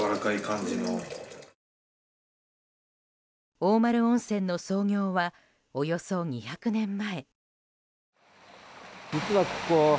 大丸温泉の創業はおよそ２００年前。